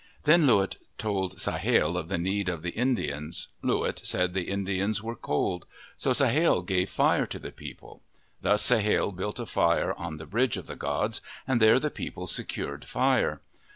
Then Loo wit told Sahale of the need of the In dians. Loo wit said the Indians were cold. So Sahale gave fire to the people. Thus Sahale built a fire on the bridge of the gods, and there the people secured fire.